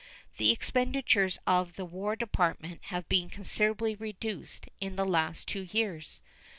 The expenditures of the War Department have been considerably reduced in the last two years.